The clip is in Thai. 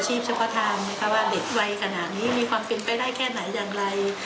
เฉพาะทางนะคะว่าเด็กวัยขนาดนี้มีความเป็นไปได้แค่ไหนอย่างไร